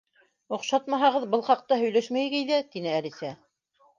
— Оҡшатмаһағыҙ, был хаҡта һөйләшмәйек әйҙә, —тине Әлисә.